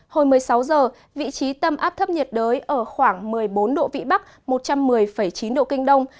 hồi một mươi sáu giờ vị trí tâm áp thấp nhiệt đới ở khoảng một mươi bốn độ vĩ bắc một trăm một mươi chín độ kinh đông